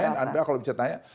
ya lumayan ada kalau bisa ditanya